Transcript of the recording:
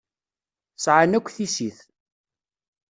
Sεan akk tissit.